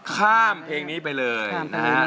ข้ามเพลงนี้ไปเลยนะครับ